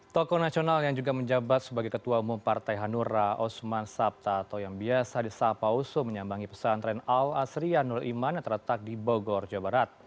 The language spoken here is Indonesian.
tokoh nasional yang juga menjabat sebagai ketua umum partai hanura osman sabta atau yang biasa di sapa oso menyambangi pesantren al asrianul iman yang terletak di bogor jawa barat